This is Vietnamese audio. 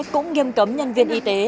cũng nghiêm cấm nhân viên y tế